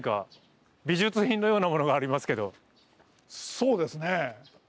そうですね。